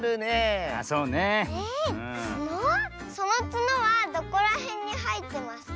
そのつのはどこらへんにはえてますか？